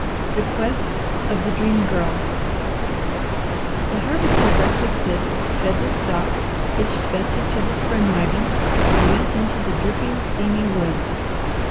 THE QUEST OF THE DREAM GIRL The Harvester breakfasted, fed the stock, hitched Betsy to the spring wagon, and went into the dripping, steamy woods.